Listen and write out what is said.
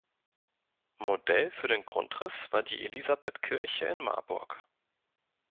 Modell für den Grundriss war die Elisabethkirche in Marburg.